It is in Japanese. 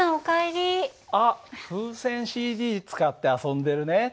あっ風船ＣＤ使って遊んでるね。